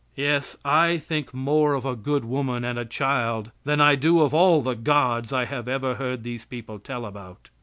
Yes, I think more of a good woman and a child than I do of all the gods I have ever heard these people tell about.